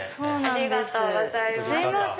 ありがとうございます。